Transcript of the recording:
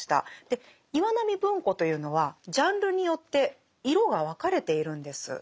で岩波文庫というのはジャンルによって色が分かれているんです。